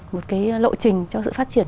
một cái lộ trình cho sự phát triển